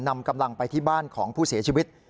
นำกำลังไปที่บ้านของผู้เสียชีวิต